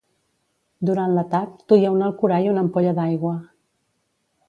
Durant l'atac, duia un Alcorà i una ampolla d'aigua.